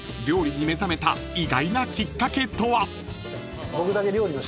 料理に目覚めた意外なきっかけとは？］